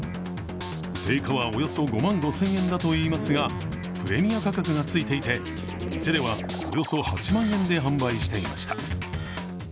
定価は、およそ５万５０００円だといいますが、プレミア価格がついていて、店ではおよそ８万円で販売していました。